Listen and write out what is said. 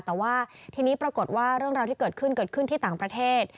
แต่ว่าทีนี้ปรากฏว่าเรื่องราวที่เกิดขึ้นเกิดขึ้นที่ต่างประเทศ